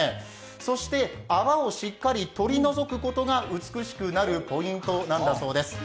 そして泡をしっかり取り除くことが美しくなるポイントなんだそうです。